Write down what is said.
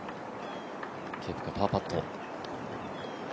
ケプカ、パーパット。